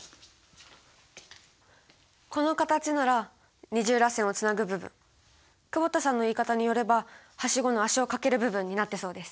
この形なら二重らせんをつなぐ部分久保田さんの言い方によればはしごの足を掛ける部分になってそうです。